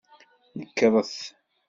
Nekret!